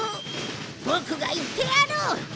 ボクが言ってやる！